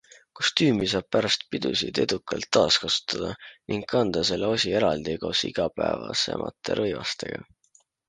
Kostüümi saab pärast pidusid edukalt taaskasutada ning kanda selle osi eraldi koos igapäevasemate rõivastega.